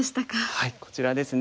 はいこちらですね。